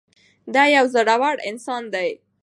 دی یو زړور انسان دی.